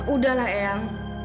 udah lah eyang